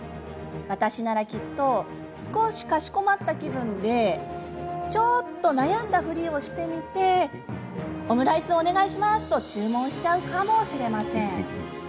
私ならきっと少しかしこまった気分でちょっと悩んだふりをしてみてオムライスをお願いしますと注文しちゃうかもしれません。